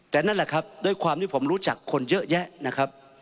แต่นั่นแหละครับด้วยความที่ผมรู้จักคนเยอะแยะนะครับ